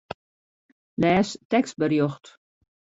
Lês tekstberjocht.